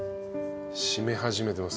締め始めてます。